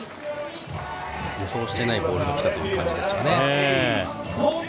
予想してないボールが来たという感じですね。